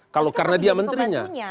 kalau karena dia menterinya